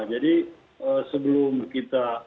jadi sebelum kita